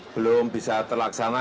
belum bisa terlaksana